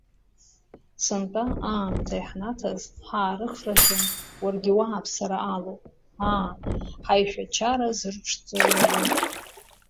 Сынтәа Аамҭа иаҳнаҭаз ҳаарыхраҿы уаргьы уааԥсара алоуп, аа, ҳаишәа-чара зырԥшӡо иароуп!